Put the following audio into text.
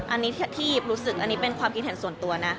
อันนี้ที่รู้สึกอันนี้เป็นความคิดเห็นส่วนตัวนะ